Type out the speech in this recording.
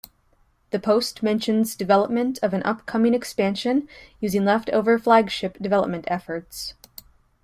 The post mentions development of an upcoming expansion, using leftover Flagship development efforts.